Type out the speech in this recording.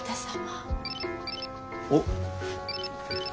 おっ。